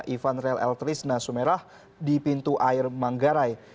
ivan rel el trisna sumerah di pintu air manggarai